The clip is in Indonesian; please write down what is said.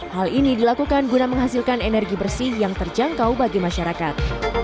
hal ini dilakukan guna menghasilkan energi bersih yang terjangkau bagi masyarakat